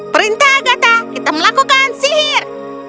perintah gata kita melakukan sihir